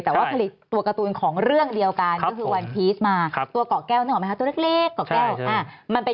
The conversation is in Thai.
แต่ผลิตตัวการ์ตูนของเรื่องเดียวกัน